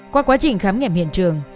qua quá trình khám nghiệm hiện trường